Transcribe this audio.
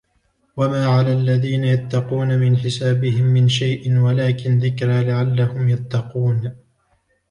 وما على الذين يتقون من حسابهم من شيء ولكن ذكرى لعلهم يتقون